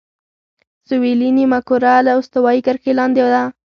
سویلي نیمهکره له استوایي کرښې لاندې ده.